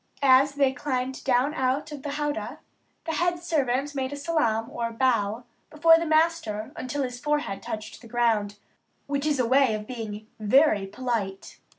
As they climbed down out of the "howdah," the head servant made a "salaam," or bow, before the master until his forehead touched the ground, which is a way of being very polite.